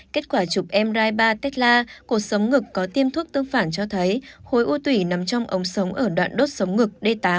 kết quả chụp mri ba tecla cuộc sống ngực có tiêm thuốc tương phản cho thấy hối u tủy nằm trong ống sống ở đoạn đốt sống ngực d tám